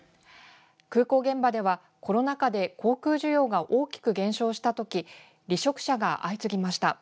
空港現場ではコロナ禍で航空需要が大きく減少した時離職者が相次ぎました。